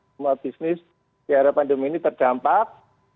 semua bisnis di arah pandemi ini terdampak